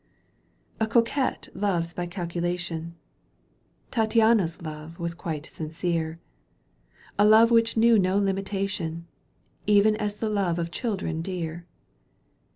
A coquette loves by calculation, Tattiana's love was quite sincere, '^ A love which knew no limitation, Even as the love of children dear.